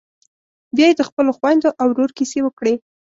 بيا یې د خپلو خويندو او ورور کيسې وکړې.